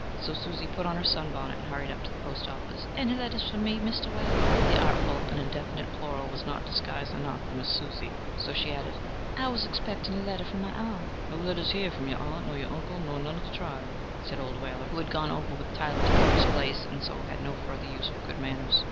So Susie put on her sun bonnet and hurried up to the post office: "Any letters for me, Mr. Whaler?" The artful and indefinite plural was not disguise enough for Miss Susie, so she added, "I was expecting a letter from my aunt." "No letters here from your aunt, nor your uncle, nor none of the tribe," said old Whaler, who had gone over with Tyler to keep his place, and so had no further use for good manners.